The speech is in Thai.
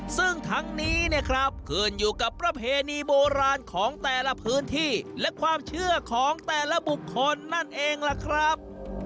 ซึ่งทั้งนี้เนี่ยครับขึ้นอยู่กับประเพณีโบราณของแต่ละพื้นที่และความเชื่อของแต่ละบุคคลนั่นเองล่ะครับ